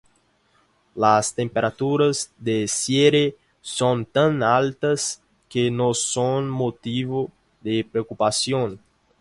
Las temperaturas de cierre son tan altas que no son motivo de preocupación.